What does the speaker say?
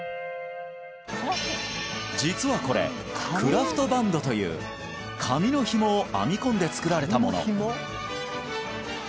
実はこれクラフトバンドという紙の紐を編み込んで作られたもの